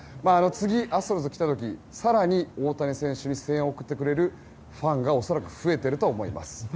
次、アストロズに来た時更に大谷選手に声援を送ってくれるファンが恐らく増えていると思います。